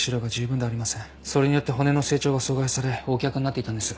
それによって骨の成長が阻害されＯ脚になっていたんです。